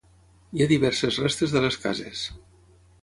Hi ha diverses restes de les cases.